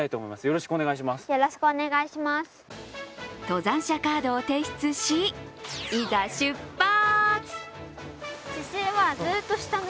登山者カードを提出しいざ出発！